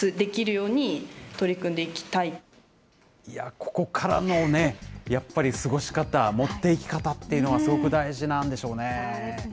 ここからのね、やっぱり過ごし方、持っていき方というのはすごく大事なんでしょうね。